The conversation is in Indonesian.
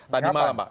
tadi malam pak